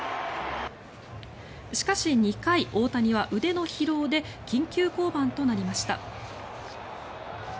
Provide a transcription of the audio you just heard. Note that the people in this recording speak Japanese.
しかし、２回大谷は腕の疲労で緊急降板となりました。